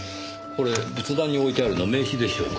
これ仏壇に置いてあるの名刺でしょうかね？